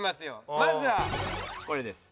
まずはこれです。